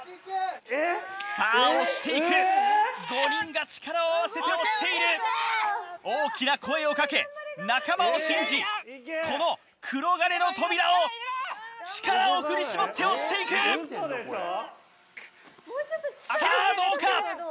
さあ押していく５人が力を合わせて押している大きな声をかけ仲間を信じこのくろがねの扉を力を振り絞って押していくさあどうか？